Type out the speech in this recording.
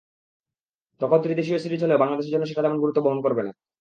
তখন ত্রিদেশীয় সিরিজ হলেও বাংলাদেশের জন্য সেটা তেমন গুরুত্ব বহন করবে না।